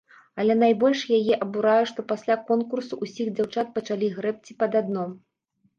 Але найбольш яе абурае, што пасля конкурсу ўсіх дзяўчат пачалі грэбці пад адно.